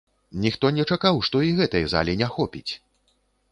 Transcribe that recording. Ніхто не чакаў, што і гэтай залі не хопіць!